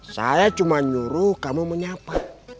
saya cuma nyuruh kamu menyapa